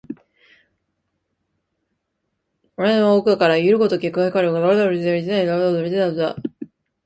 双眸の奥から射るごとき光を吾輩の矮小なる額の上にあつめて、おめえは一体何だと言った